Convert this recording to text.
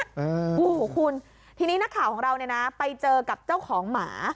โอ้โหคุณทีนี้นักข่าวของเราเนี่ยนะไปเจอกับเจ้าของหมา